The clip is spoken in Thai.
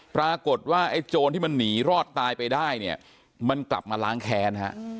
ปรากฏว่าไอ้โจรที่มันหนีรอดตายไปได้เนี่ยมันกลับมาล้างแค้นฮะ